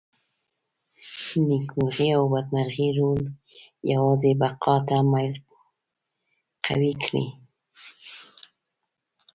نېکمرغي او بدمرغي رول یوازې بقا ته میل قوي کړي.